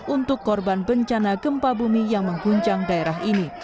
untuk korban bencana gempa bumi yang mengguncang daerah ini